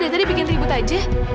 ya tadi bikin ribut aja